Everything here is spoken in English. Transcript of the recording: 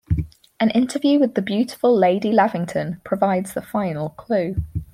An interview with the beautiful Lady Lavington provides the final clue.